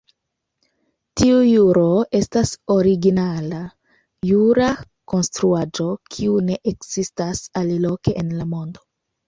Tiu juro estas originala jura konstruaĵo, kiu ne ekzistas aliloke en la mondo.